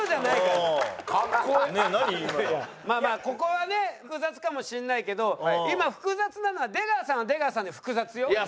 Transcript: ここはね複雑かもしれないけど今複雑なのは出川さんは出川さんで複雑よ。